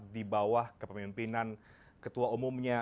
di bawah kepemimpinan ketua umumnya